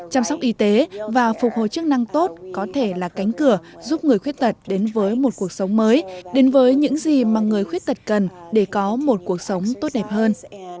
chăm sóc y tế và phục hồi chức năng tốt có thể là cánh cửa giúp người khuyết tật đến với một cuộc sống mới đến với những gì mà người khuyết tật cần để có một cuộc sống tốt đẹp hơn